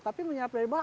tapi menyerap dari bawah